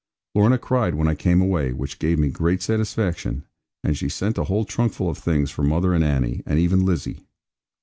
Lorna cried when I came away (which gave me great satisfaction), and she sent a whole trunkful of things for mother and Annie, and even Lizzie.